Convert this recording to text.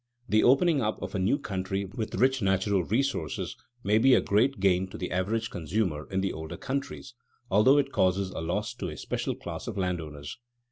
_ The opening up of a new country with rich natural resources may be a great gain to the average consumer in the older countries, although it causes a loss to a special class of landowners.